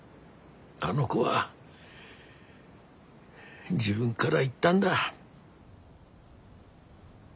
あの子は自分がら言ったんだ。